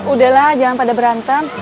udahlah jangan pada berantem